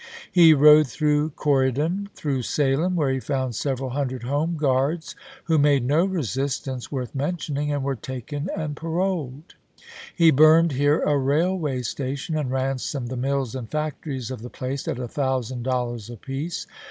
He rode through Corydon ; through Salem, where he found several hundred home guards, who made no resistance worth mentioning, and were taken and paroled. He burned here a railway station and ransomed the mills and factories of the place at a thousand dollars apiece.